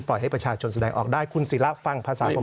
ให้ประชาชนแสดงออกได้คุณศิระฟังภาษาผม